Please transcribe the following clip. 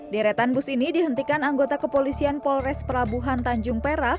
di retan bus ini dihentikan anggota kepolisian polres perabuhan tanjung perak